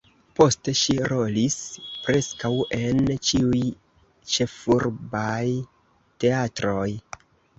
Poste ŝi rolis preskaŭ en ĉiuj ĉefurbaj teatroj.